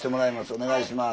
お願いします。